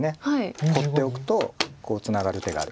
放っておくとこうツナがる手がある。